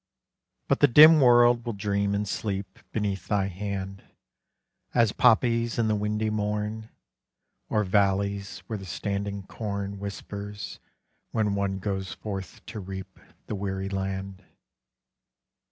But the dim world will dream and sleep Beneath thy hand, As poppies in the windy morn, Or valleys where the standing corn Whispers when One goes forth to reap The weary land.